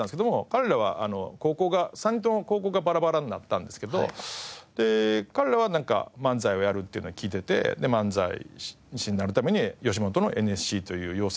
彼らは高校が３人とも高校がバラバラになったんですけど彼らは漫才をやるっていうのは聞いてて漫才師になるために吉本のＮＳＣという養成